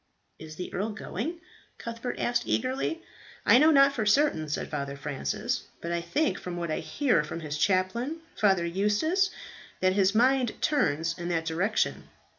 "Is the earl going?" Cuthbert asked eagerly. "I know not for certain," said Father Francis; "but I think from what I hear from his chaplain, Father Eustace, that his mind turns in that direction."